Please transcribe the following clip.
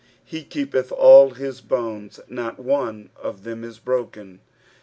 "ij« keepeth aU hU bovfs: not one of them is broken."